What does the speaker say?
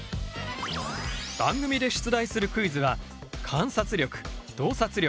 番組で出題するクイズは観察力洞察力